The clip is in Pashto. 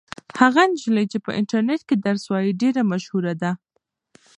هغه نجلۍ چې په انټرنيټ کې درس وایي ډېره مشهوره ده.